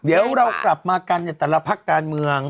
เดี๋ยวเรากลับมากันในแต่ละพักการเมือง